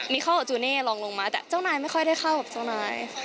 มีข้ออจูเน่ลองลงมาแต่เจ้านายไม่ค่อยได้เข้ากับเจ้านาย